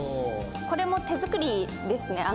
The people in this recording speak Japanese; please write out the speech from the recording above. これも手作りですね。